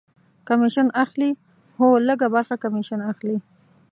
کمیشن اخلي؟ هو، لږ ه برخه کمیشن اخلی